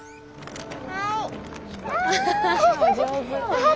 はい。